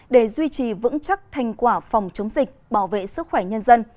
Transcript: để duy trì vững chắc thành quả phòng chống dịch bảo vệ sức khỏe nhân dân